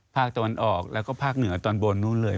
ภาคตะวันออกแล้วก็ภาคเหนือตอนบนนู้นเลย